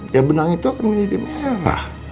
ya benang itu akan menjadi merah